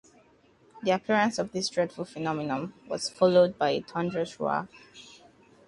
The appearance of this dreadful phenomenon was followed by a thunderous roar.